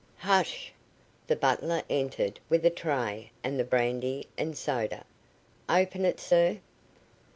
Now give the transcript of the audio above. "Hush!" The butler entered with a tray and the brandy and soda. "Open it, sir?"